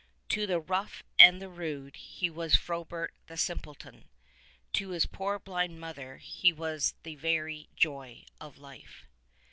To the rough and the rude he was Fro bert the Simpleton : to his poor blind mother he was the very joy of life.